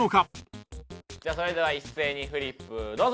じゃあそれでは一斉にフリップどうぞ。